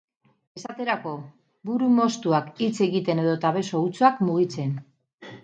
Esaterako: buru moztuak hitz egiten edota beso hutsak mugitzen.